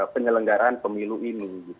penyelenggaraan pemilu ini